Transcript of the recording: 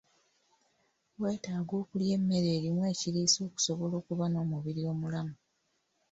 Weetaaga okulya emmere erimu ekiriisa okusobola okuba n'omubiri omulamu.